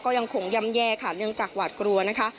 ก็ยังคงย่ำแย่ค่ะเนื่องจากหวาดกลัวนะคะ